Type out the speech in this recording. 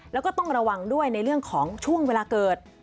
แล้วก็ต้องระวังด้วยในเรื่องของช่วงเวลาเกิด